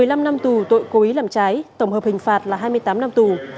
một mươi năm năm tù tội cố ý làm trái tổng hợp hình phạt là hai mươi tám năm tù